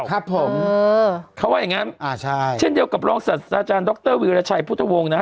ครับผมเออเขาว่าอย่างงั้นอ่าใช่เช่นเดียวกับรองศาสตราจารย์ดรวีรชัยพุทธวงศ์นะฮะ